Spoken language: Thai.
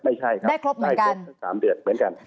ไม่ใช่ครับไม่ครบ๓เดือนเหมือนกัน